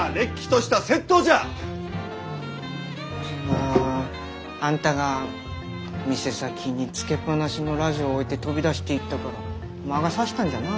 ああんたが店先につけっ放しのラジオ置いて飛び出していったから魔が差したんじゃなあ。